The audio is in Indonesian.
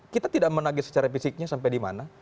kita tidak menagih secara fisiknya sampai di mana